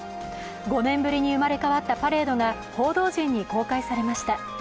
５年ぶりに生まれ変わったパレードが報道陣に公開されました。